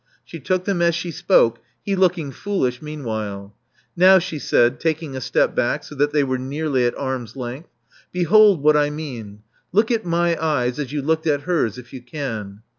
vShe took them as she spoke, he looking foolish meanwhile. '*Now,'* she said, taking a step back so that they were nearly at arms length, behold what I mean. Look at my eyes, as you looked at hers, if you can."